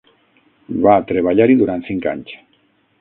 Va treballar-hi durant cinc anys.